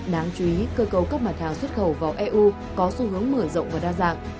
đáng chú ý cơ cấu các mặt hàng xuất khẩu vào eu có xu hướng mở rộng và đa dạng